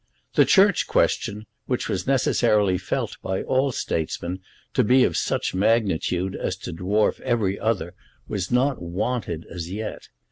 The Church question, which was necessarily felt by all statesmen to be of such magnitude as to dwarf every other, was not wanted as yet.